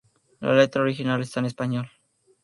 La letra original está en español.